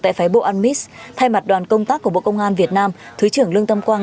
tại phái bộ anmis thay mặt đoàn công tác của bộ công an việt nam thứ trưởng lương tâm quang